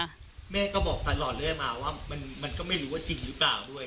แม่ก็บอกตลอดเรื่อยมาว่ามันมันก็ไม่รู้ว่าจริงหรือเปล่าด้วย